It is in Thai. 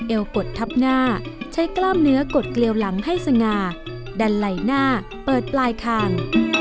กดทับหน้าใช้กล้ามเนื้อกดเกลียวหลังให้สง่าดันไหล่หน้าเปิดปลายคาง